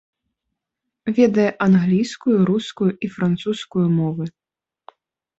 Ведае англійскую, рускую і французскую мовы.